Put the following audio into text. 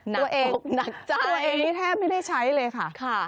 ตัวเองที่แทบไม่ได้ใช้เลยค่ะ